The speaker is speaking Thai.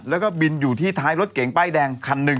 แล้วก็บินอยู่ที่ท้ายรถเก๋งป้ายแดงคันหนึ่ง